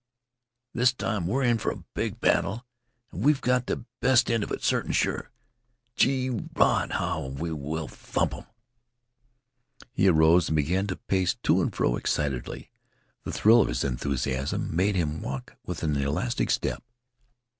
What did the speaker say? This time we're in for a big battle, and we've got the best end of it, certain sure. Gee rod! how we will thump 'em!" He arose and began to pace to and fro excitedly. The thrill of his enthusiasm made him walk with an elastic step.